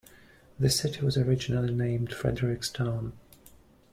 The city was originally named "Frederick's Town".